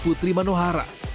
kuliner putri manohara